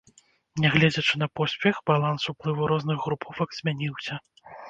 Нягледзячы на поспех баланс уплыву розных груповак змяніўся.